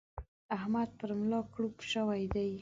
احمد پر ملا کړوپ شوی دی.